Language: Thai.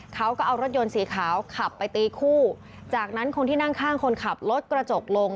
เขาก็เอารถยนต์สีขาวขับไปตีคู่จากนั้นคนที่นั่งข้างคนขับรถกระจกลง